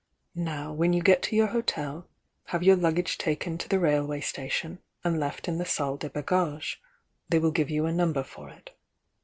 Now when you get to your hotel, have your luggage taken to the railway station and left in the Salle des Bagages,— they will give you a number for it.